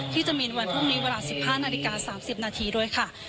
ที่จะมีในวันพรุ่งนี้เวลา๑๕นาฬิกา๓๐นาทีด้วยค่ะ